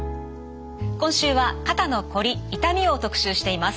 今週は「肩のこり・痛み」を特集しています。